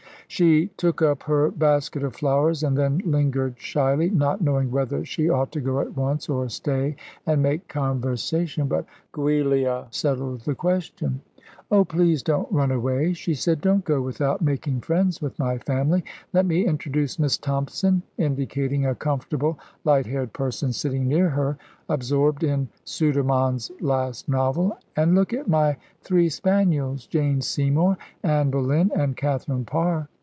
She took up her basket of flowers, and then lingered shyly, not knowing whether she ought to go at once, or stay and make conversation; but Giulia settled the question. "Oh, please don't run away," she said. "Don't go without making friends with my family. Let me introduce Miss Thompson," indicating a comfortable, light haired person sitting near her, absorbed in Sudermann's last novel, "and look at my three spaniels, Jane Seymour, Anne Boleyn, and Catherine Parr.